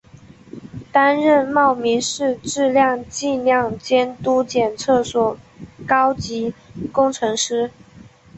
担任茂名市质量计量监督检测所高级工程师。